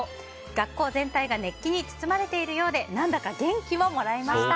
学校全体が熱気に包まれているようで何だか元気をもらいました。